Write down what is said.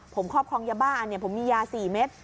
ผมครอบครองยาบ้าผมมียา๔เม็ด